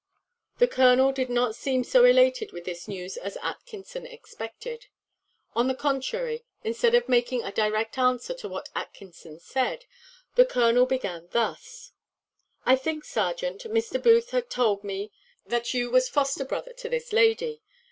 The colonel did not seem so elated with this news as Atkinson expected. On the contrary, instead of making a direct answer to what Atkinson said, the colonel began thus: "I think, serjeant, Mr. Booth hath told me that you was foster brother to his lady.